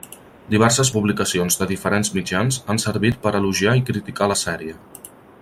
Diverses publicacions de diferents mitjans han servit per elogiar i criticar la sèrie.